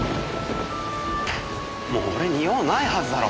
もう俺に用ないはずだろ。